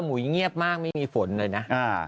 หุยเงียบมากไม่มีฝนเลยนะ